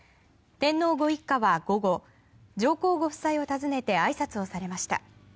天皇ご一家は午後上皇ご夫妻を訪ねてあいさつをされました。